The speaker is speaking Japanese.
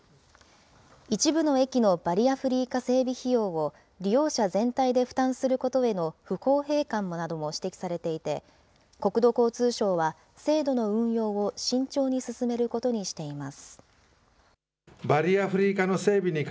一部の駅のバリアフリー化整備費用を利用者全体で負担することへの不公平感なども指摘されていて、国土交通省は、制度の運用を慎重に進めることにしています。